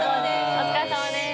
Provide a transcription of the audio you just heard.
お疲れさまです。